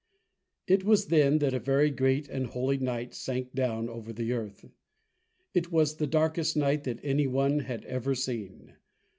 It was then that a very great and holy night sank down over the earth. It was the darkest night that any one had ever seen.